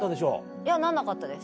いやなんなかったです